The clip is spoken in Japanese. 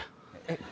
えっ？